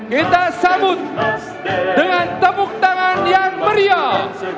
kita sambut dengan tepuk tangan yang meriah